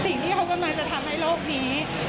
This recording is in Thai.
สิ่งที่เขากำลังจะทำให้โลกนี้